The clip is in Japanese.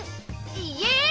イエイ！